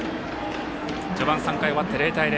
序盤３回が終わって０対０。